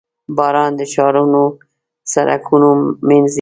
• باران د ښارونو سړکونه مینځي.